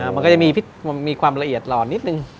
มันก็จะมีความละเอียดหล่อนนิดนึง